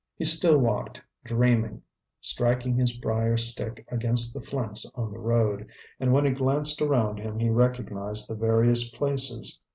He still walked, dreaming, striking his brier stick against the flints on the road, and when he glanced around him he recognized the various places.